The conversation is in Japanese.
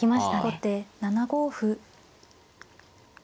後手７五歩。